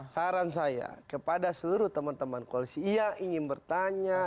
saran saya kepada seluruh teman teman koalisi yang ingin bertanya